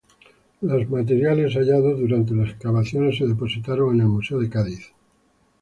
Los materiales hallados durante las excavaciones se depositaron en el Museo de Cádiz.